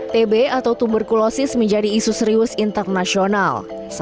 tb atau tuberkulosis menjadi isu serius internasional